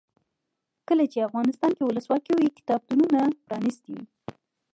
کله چې افغانستان کې ولسواکي وي کتابتونونه پرانیستي وي.